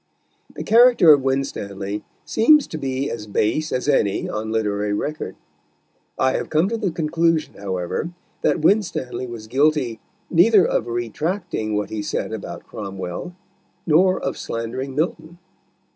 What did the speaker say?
The character of Winstanley seems to be as base as any on literary record. I have come to the conclusion, however, that Winstanley was guilty, neither of retracting what he said about Cromwell, nor of slandering Milton.